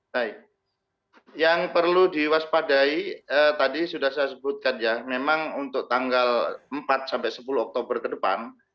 baik yang perlu diwaspadai tadi sudah saya sebutkan ya memang untuk tanggal empat sampai sepuluh oktober ke depan